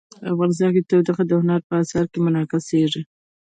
افغانستان کې تودوخه د هنر په اثار کې منعکس کېږي.